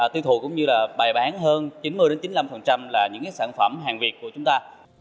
tuy thuộc cũng như là bày bán hơn chín mươi đến chín mươi năm là những sản phẩm hàng việt của chúng ta